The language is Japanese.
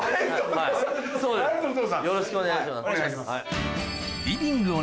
よろしくお願いします。